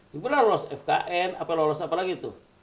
kemudian lolos fkn apa yang lolos apalagi tuh